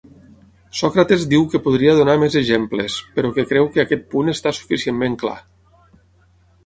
Sòcrates diu que podria donar més exemples però que creu que aquest punt està suficientment clar.